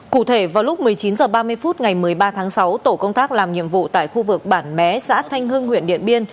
cụ thể vào lúc một mươi chín h ba mươi phút ngày một mươi ba tháng sáu tổ công tác làm nhiệm vụ tại khu vực bản mé xã thanh hưng huyện điện biên